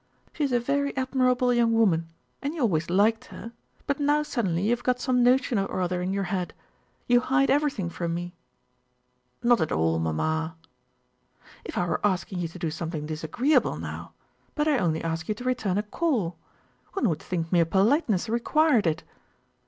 She is a very admirable young woman and you always liked her, but now suddenly you have got some notion or other in your head. You hide everything from me." "Not at all, Mamma." "If I were asking you to do something disagreeable now—but I only ask you to return a call. One would think mere politeness required it....